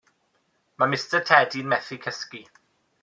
Mae Mistar Tedi'n methu cysgu.